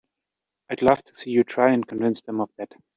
I'd love to see you try and convince them of that!